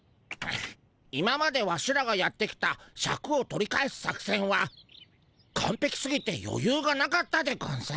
今までワシらがやってきたシャクを取り返す作せんはかんぺきすぎてよゆうがなかったでゴンス。